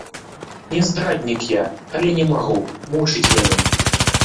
Не здраднік я, але не магу, мучыць мяне.